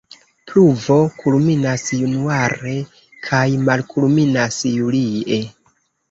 Pluvo kulminas Januare kaj malkulminas Julie.